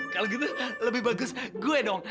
kalau gitu lebih bagus gue dong